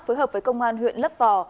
phối hợp với công an huyện lấp vò